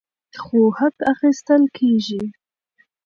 خو حق اخیستل کیږي.